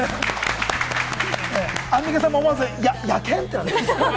アンミカさんも思わず野犬？ってなってましたね。